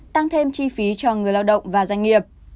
tăng thêm chi phí cho người lao động và doanh nghiệp